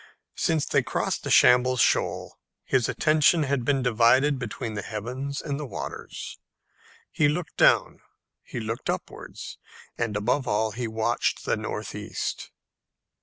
Since they crossed the Shambles shoal, his attention had been divided between the heavens and the waters. He looked down, he looked upwards, and above all watched the north east.